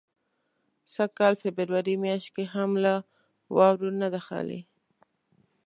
سږ کال فبروري میاشت هم له واورو نه ده خالي.